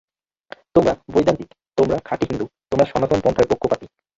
তোমরা বৈদান্তিক, তোমরা খাঁটি হিন্দু, তোমরা সনাতন পন্থার পক্ষপাতী।